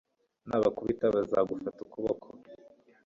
nubakubita bazagufata ukuboko